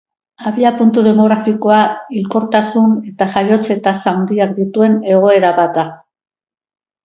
Abiapuntu demografikoa hilkortasun- eta jaiotze-tasa handiak dituen egoera bat da.